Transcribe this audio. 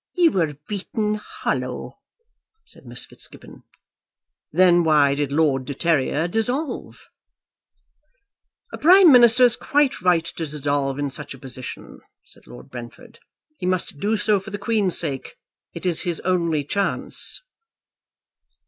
"You were beaten, hollow," said Miss Fitzgibbon. "Then why did Lord de Terrier dissolve?" "A Prime Minister is quite right to dissolve in such a position," said Lord Brentford. "He must do so for the Queen's sake. It is his only chance."